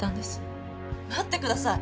待ってください。